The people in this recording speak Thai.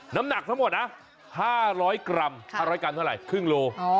น้ำหนักทั้งหมดนะ๕๐๐กรัม๕๐๐กรัมเท่าไหร่ครึ่งโล